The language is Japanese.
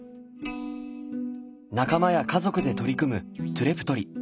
仲間や家族で取り組むトゥレ採り。